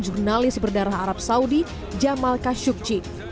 jurnalis berdarah arab saudi jamal khashogji